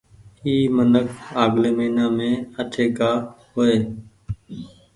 اي منک آگلي مهينآ مين اٺي ڪآ هو ئي۔